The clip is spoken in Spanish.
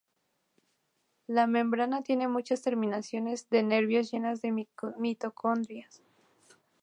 La membrana tiene muchas terminaciones de nervios llenas de mitocondria.